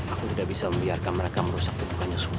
aku sudah bisa membiarkan mereka merusak tubuhnya semua